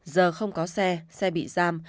giờ không có xe xe bị giam